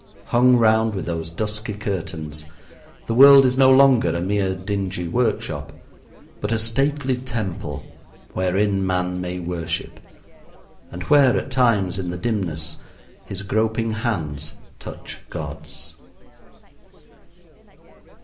Hung round with those dusky curtains, the world is no longer a mere dingy workshop, but a stately temple wherein man may worship, and where at times in the dimness his groping hands touch God's.